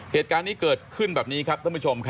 เหตุการณ์นี้เกิดขึ้นแบบนี้ครับท่านผู้ชมครับ